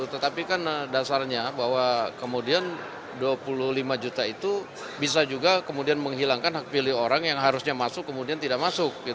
tetapi kan dasarnya bahwa kemudian dua puluh lima juta itu bisa juga kemudian menghilangkan hak pilih orang yang harusnya masuk kemudian tidak masuk